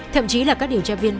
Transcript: thậm chí là các điều tra viên